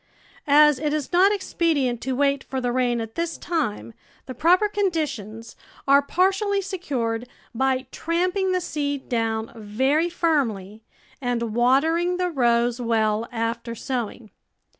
As it is not expedient to wait for the rain at this time, the proper conditions are ON THE SOWING OF SEED partially secured by tramping the seed down very firmly and watering the rows well after sowing.